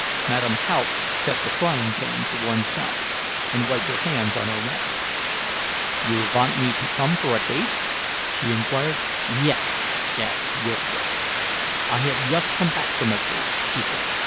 Madame Haupt set the frying pan to one side and wiped her hands on her wrapper. "You vant me to come for a case?" she inquired. "Yes," gasped Jurgis. "I haf yust come back from a case," she said.